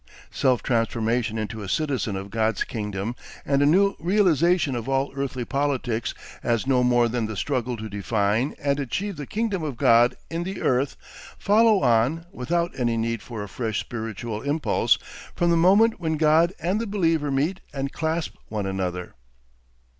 Self transformation into a citizen of God's kingdom and a new realisation of all earthly politics as no more than the struggle to define and achieve the kingdom of God in the earth, follow on, without any need for a fresh spiritual impulse, from the moment when God and the believer meet and clasp one another.